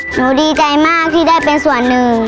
หนูดีใจมากที่ได้เป็นส่วนหนึ่ง